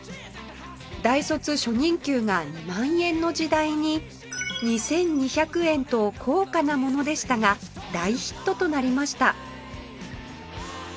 大卒初任給が２万円の時代に２２００円と高価なものでしたが大ヒットとなりました